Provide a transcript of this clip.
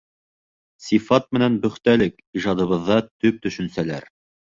Сифат менән бөхтәлек — ижадыбыҙҙа төп төшөнсәләр.